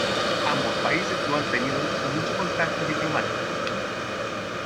Ambos países no han tenido mucho contacto diplomático.